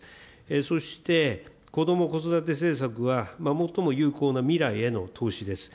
そして、こども・子育て政策は最も有効な未来への投資です。